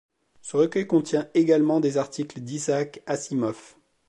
Ce recueil contient également des articles d'Isaac Asimov.